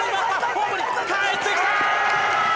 ホームにかえってきた！